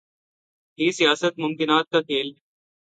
ہی سیاست ممکنات کا کھیل ہے۔